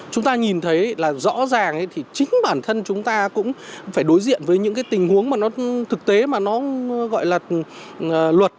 chúng ta nhìn thấy là rõ ràng thì chính bản thân chúng ta cũng phải đối diện với những cái tình huống mà nó thực tế mà nó gọi là luật